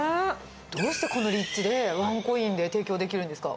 どうしてこの立地で、ワンコインで提供できるんですか。